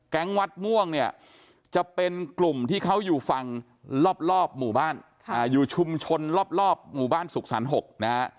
วัดม่วงเนี่ยจะเป็นกลุ่มที่เขาอยู่ฝั่งรอบหมู่บ้านอยู่ชุมชนรอบหมู่บ้านสุขสรรค์๖นะฮะ